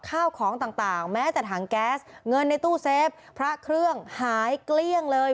ข้าวของต่างแม้แต่ถังแก๊สเงินในตู้เซฟพระเครื่องหายเกลี้ยงเลย